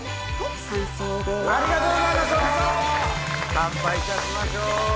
乾杯いたしましょう！